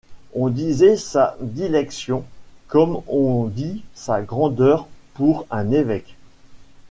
On disait Sa Dilection, comme on dit Sa Grandeur pour un évêque.